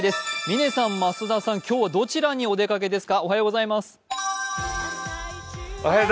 嶺さん、増田さん、今日はどちらにお出かけですか。